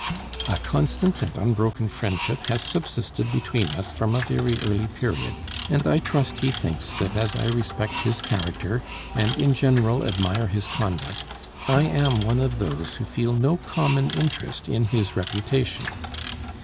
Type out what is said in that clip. A constant and unbroken friendship has subsisted between us from a very early period; and I trust he thinks that as I respect his character, and in general admire his conduct, I am one of those who feel no common interest in his reputation.